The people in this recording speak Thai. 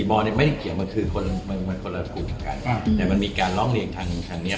๓บอร์ไม่ได้เกี่ยวว่ามันคือคนละกลุ่มเหมือนกันแต่มันมีการร้องเรียนทางเนี่ย